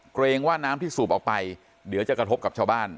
เกรงว่าน้ำที่สูบออกไปเดี๋ยวจะกระทบกับชาวบ้าน